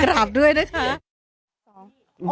กราบด้วยนะคะ